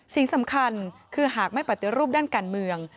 สิ่งสำคัญคือหากไม่ปฏิรูปด้านการเมือง